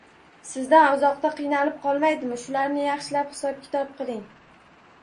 Sizdan uzoqda qiynalib qolmaydimi, shularni yaxshilab hisob-kitob qiling